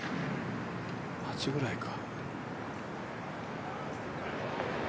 ８ぐらいか。